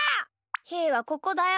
ひーはここだよ。